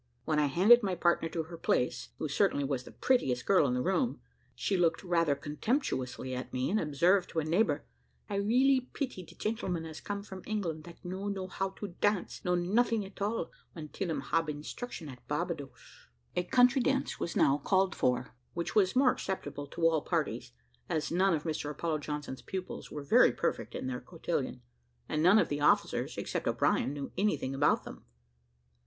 When I handed my partner to her place, who certainly was the prettiest girl in the room, she looked rather contemptuously at me, and observed to a neighbour, "I really pity de gentleman as come from England dat no know how to dance, nor nothing at all, until em hab instruction at Barbadoes." A country dance was now called for, which was more acceptable to all parties, as none of Mr Apollo Johnson's pupils were very perfect in their cotillon, and none of the officers, except O'Brien, knew anything about them.